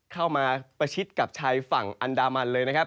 ประชิดกับชายฝั่งอันดามันเลยนะครับ